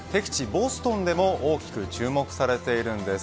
ボストンでも大きく注目されているんです。